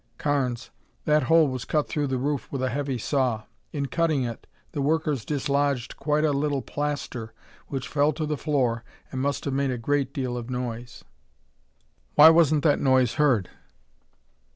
"Carnes, that hole was cut through the roof with a heavy saw. In cutting it, the workers dislodged quite a little plaster which fell to the floor and must have made a great deal of noise. Why wasn't that noise heard?"